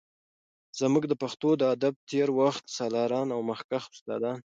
زمونږ د پښتو د ادب د تیر وخت سالاران او مخکښ استادان